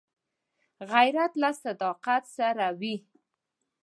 غیرت له صداقت سره وي